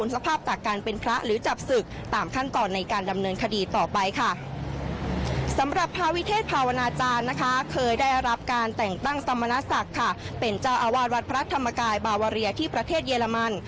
สำหรับพระวิเทศภาวนาจารย์นะคะเคยได้รับการแต่งตั้งสมณศักดิ์ค่ะเป็นเจ้าอาวาสวัดพระธรรมกายบาวาเรียที่ประเทศเยอรมัน